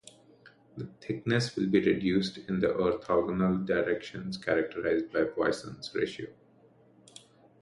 The thickness will be reduced in the orthogonal directions characterized by Poisson's ratio.